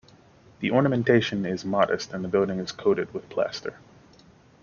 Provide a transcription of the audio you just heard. The ornamentation is modest and the building is coated with plaster.